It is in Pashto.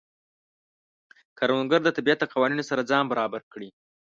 کروندګر د طبیعت د قوانینو سره ځان برابر کړي